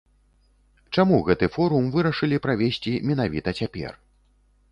Чаму гэты форум вырашылі правесці менавіта цяпер?